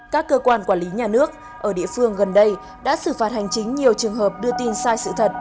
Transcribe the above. các cơ quan quản lý nhà nước ở địa phương gần đây đã xử phạt hành chính nhiều trường hợp đưa tin sai sự thật